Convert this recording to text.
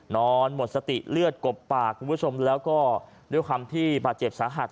นอนหมดสติเลือดกบปากแล้วก็ด้วยคำที่บาดเจ็บสาหัส